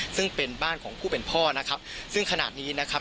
ซึ่งเป็นบ้านของผู้เป็นพ่อนะครับซึ่งขณะนี้นะครับ